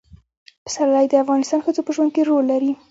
پسرلی د افغان ښځو په ژوند کې رول لري.